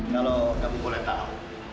kalau kamu boleh tahu